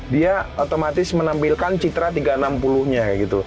dia otomatis menampilkan citra tiga ratus enam puluh nya gitu